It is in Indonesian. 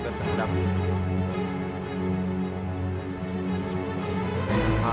tentang fitnah yang ditunjukkan terhadap